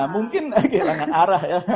mungkin kehilangan arah